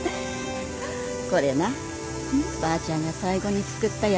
これなばあちゃんが最後に作ったやつよ。